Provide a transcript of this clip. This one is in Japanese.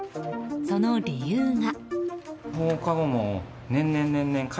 その理由が。